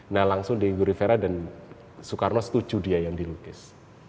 nah langsung diego rivera dan soekarno setuju dia yang dilukis